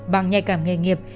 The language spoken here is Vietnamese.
bằng nhạy cảm nghề nghiệp